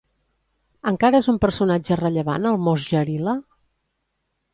Encara és un personatge rellevant el Moș Gerilă?